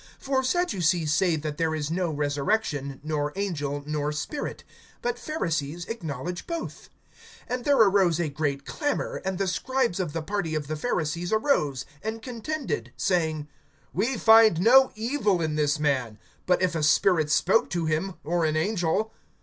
(8)For Sadducees say that there is no resurrection, nor angel, nor spirit; but Pharisees acknowledge both. (9)And there arose a great clamor; and the scribes of the party of the Pharisees arose, and contended, saying: We find no evil in this man; but if a spirit spoke to him, or an angel?